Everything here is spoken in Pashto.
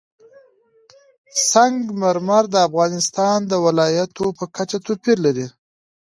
سنگ مرمر د افغانستان د ولایاتو په کچه توپیر لري.